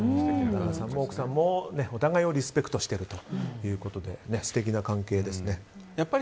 ＨＧさんも奥さんもお互いをリスペクトしているということで素敵な関係ですね。